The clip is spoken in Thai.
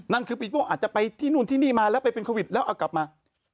นั่นคือปีโป้อาจจะไปที่นู่นที่นี่มาแล้วไปเป็นโควิดแล้วเอากลับมา